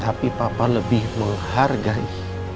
tapi papa lebih menghargai